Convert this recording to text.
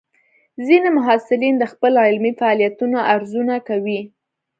ځینې محصلین د خپل علمي فعالیتونو ارزونه کوي.